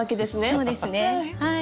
そうですねはい。